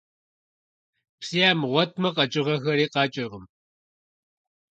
Psı yamığuetme, kheç'ığexeri kheç'ırkhım.